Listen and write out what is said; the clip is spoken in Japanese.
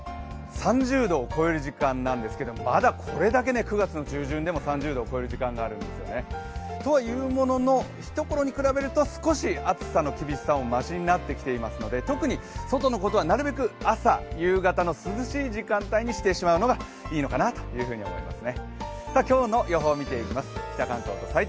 ３０度を超える時間なんですけれども、まだこれだけ９月中旬でも３０度を超える日があるんですね。とはいうものの、ひところに比べると少し暑さの厳しさもましになっていますので特に外のことはなるべく朝、夕方の涼しい時間帯にしてしまうのがいいのかなと思います。